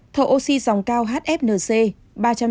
thở oxy dòng cao hfnc ba trăm chín mươi năm ca